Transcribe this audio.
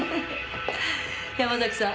山崎さん